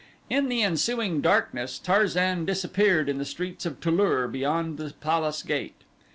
In the ensuing darkness Tarzan disappeared in the streets of Tu lur beyond the palace gate.